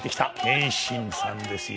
謙信さんですよ。